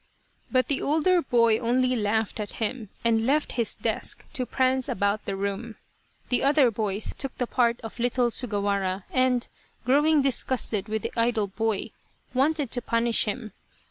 But the older boy only laughed at him, and left his desk to prance about the room. The other boys took the part of little Sugawara and, growing disgusted with the idle boy, wanted to punish him.